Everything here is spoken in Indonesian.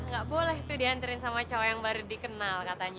gak boleh tuh diantarin sama cowok yang baru dikenal katanya